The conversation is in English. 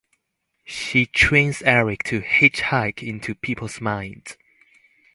She trains Eric to "hitch hike" into people's minds.